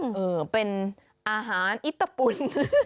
เออเป็นอาหารอิตปุ่น